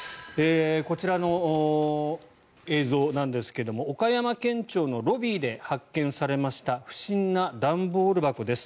こちらの映像なんですが岡山県庁のロビーで発見されました不審な段ボール箱です。